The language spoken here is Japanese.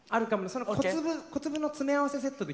その小粒の詰め合わせセットで。